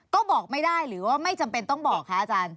ก็บอกไม่ได้หรือว่าไม่จำเป็นต้องบอกคะอาจารย์